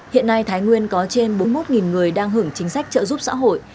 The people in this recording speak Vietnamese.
hiện nay thái nguyên có trên bốn mươi một người đang hưởng chính sách trợ giúp xã hội